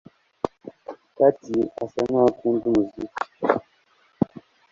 Cathy asa nkaho akunda umuziki